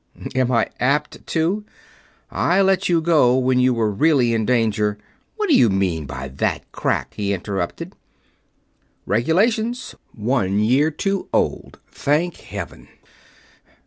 "Am I apt to? I let you go when you were really in danger...." "What do you mean by that crack?" he interrupted. "Regulations. One year too old Thank Heaven!"